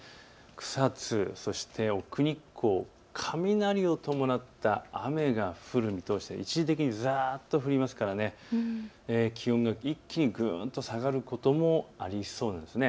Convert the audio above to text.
草津、そして奥日光、雷を伴った雨が降る見通しで一時的にざっと降りますから気温が一気にぐんと下がることもありそうです。